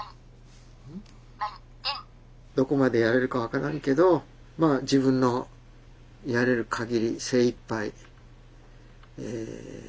どこまでやれるか分からんけどまあ自分のやれるかぎり精いっぱい